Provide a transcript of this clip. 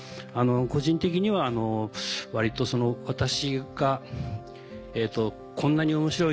個人的には割と「私がこんなに面白いんです